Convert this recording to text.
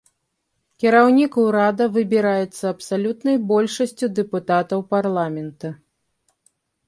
Кіраўнік урада выбіраецца абсалютнай большасцю дэпутатаў парламента.